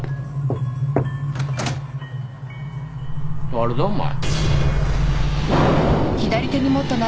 誰だお前？